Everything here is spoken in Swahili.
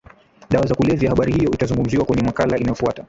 dawa za kulevya Habari hiyo itazungumziwa kwenye makala inayofuata